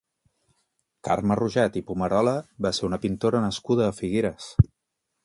Carme Roget i Pumarola va ser una pintora nascuda a Figueres.